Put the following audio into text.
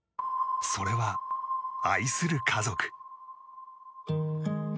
それは、愛する家族。